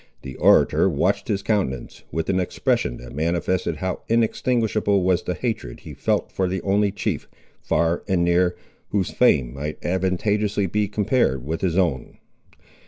The orator watched his countenance, with an expression that manifested how inextinguishable was the hatred he felt for the only chief, far and near, whose fame might advantageously be compared with his own.